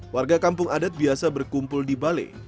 warga kampung adat biasa berkumpul di balai